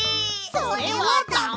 それはダメ！